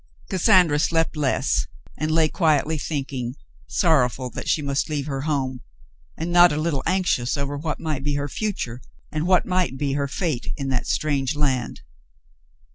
Cassandra slept less, and lay quietly thinking, sorrowful that she must leave her home, and not a little anxious over what might be her future and what might be her fate in that strange land.